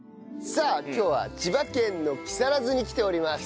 さあ今日は千葉県の木更津に来ております。